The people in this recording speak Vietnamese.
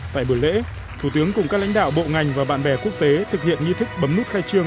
tại buổi lễ thủ tướng cùng các lãnh đạo bộ ngành và bạn bè quốc tế thực hiện nghi thức bấm nút khai trương